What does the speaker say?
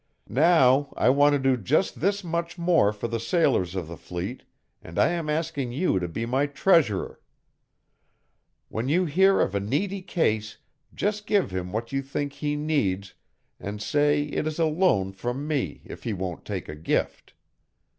Now I want to do just this much more for the sailors of the fleet, and I am asking you to be my treasurer. When you hear of a needy case just give him what you think he needs and say it is a loan from me if he won't take a gift.